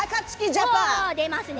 出ますね。